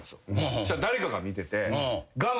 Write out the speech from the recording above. そしたら誰かが見てて。